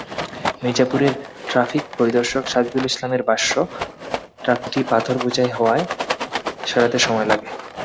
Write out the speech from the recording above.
মির্জাপুরের traffic পরিদর্শক সাজিদুল ইসলামের ভাষ্য, ট্রাকটি পাথর বোঝাই হওয়ায় সরাতে সময় লাগে।